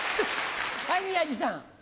はい宮治さん。